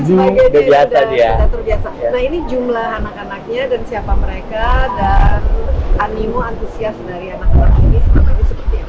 semuanya terbiasa ini jumlah anak anaknya dan siapa mereka dan animo antusias dari anak anak